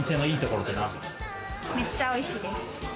めっちゃおいしいです。